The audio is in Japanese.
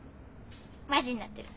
マジになってる。